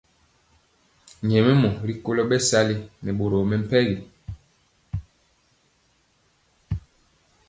Nyɛmemɔ rikolo bɛsali nɛ boro mɛmpegi.